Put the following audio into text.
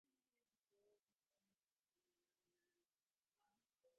އެހެނީ އަހަރުމެންނަކަށް ފާޅުގައި ބައްދަލުވެ އެ ޝުއޫރު ފާޅު ކުރެވިފައެއް ނުވެ